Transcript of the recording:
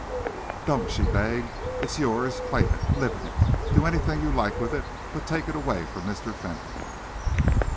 "Don't!" she begged. "It is yours. Claim it. Live in it. Do anything you like with it, but take it away from Mr. Fentolin!"